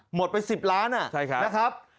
หมดไป๑๐ล้านนะครับ